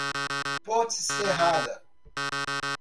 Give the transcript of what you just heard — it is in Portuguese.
Ponte Serrada